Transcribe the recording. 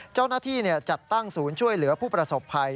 เจ้าหน้าที่จัดตั้งศูนย์ช่วยเหลือผู้ประสบภัย